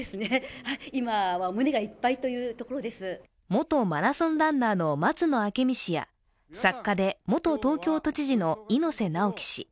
元マラソンランナーの松野明美氏や作家で元東京都知事の猪瀬直樹氏。